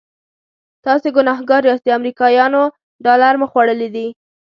تاسې ګنهګار یاست د امریکایانو ډالر مو خوړلي دي.